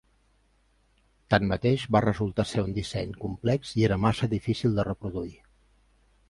Tanmateix, va resultar ser un disseny complex i era massa difícil de reproduir.